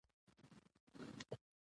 هغه پر ځان باور کول ښيي.